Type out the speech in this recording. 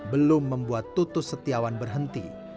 belum membuat tutus setiawan berhenti